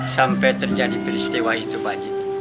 sampai terjadi peristiwa itu pagi